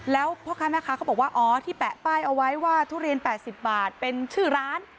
แล้วพ่อค้าแม่ค้าเขาบอกว่าอ๋อที่แปะป้ายเอาไว้ว่าทุเรียน๘๐บาทเป็นชื่อร้าน